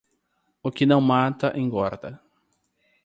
O que não mata engorda.